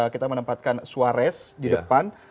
kita menempatkan suares di depan